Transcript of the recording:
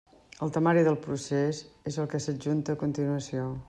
El temari del procés és el que s'adjunta a continuació.